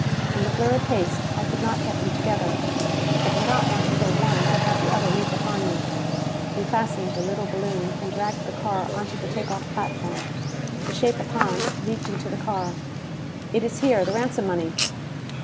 In the blurred haste, I could not get them together. I did not want to kill one and have the other leap upon me. We fastened the little balloon and dragged the car onto the take off platform. The shape of Hans leaped into the car. "It is here! The ransom money!"